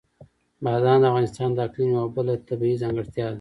بادام د افغانستان د اقلیم یوه بله طبیعي ځانګړتیا ده.